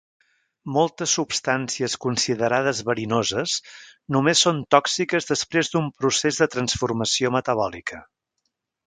Moltes substàncies considerades verinoses només són tòxiques després d'un procés de transformació metabòlica.